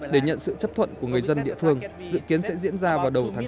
để nhận sự chấp thuận của người dân địa phương dự kiến sẽ diễn ra vào đầu tháng chín